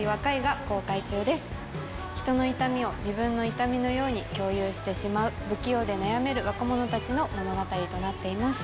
ひとの痛みを自分の痛みのように共有してしまう不器用で悩める若者たちの物語となっています。